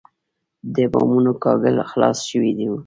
د بامونو کاهګل خلاص شوی و.